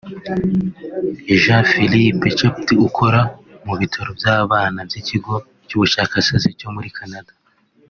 Jean-Philippe Chaput ukora mu bitaro by’abana by’Ikigo cy’Ubushakashatsi cyo muri Canada